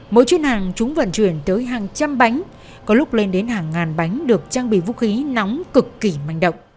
mỗi chuyến hàng chúng vận chuyển tới hàng trăm bánh có lúc lên đến hàng ngàn bánh được trang bị vũ khí nóng cực kỳ manh động